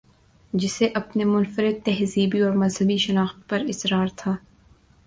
جسے اپنی منفردتہذیبی اورمذہبی شناخت پر اصرار تھا۔